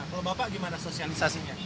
kalau bapak gimana sosialisasinya